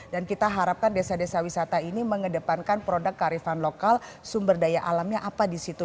dan kita harapkan desa desa wisata ini mengedepankan produk karifan lokal sumber daya alamnya apa di situ